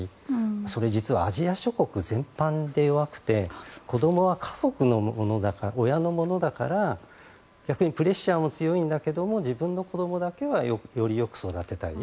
それは実はアジア諸国全般で弱くて子供は家族のものだから逆にプレッシャーも強いんだけど自分の子供だけはよりよく育てたい。